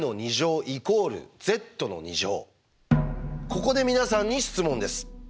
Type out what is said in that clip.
ここで皆さんに質問です。え？